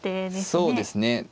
そうですね。